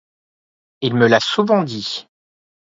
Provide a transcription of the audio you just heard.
Il me l’a souvent dit.